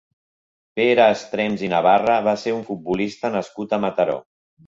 Pere Estrems i Navarra va ser un futbolista nascut a Mataró.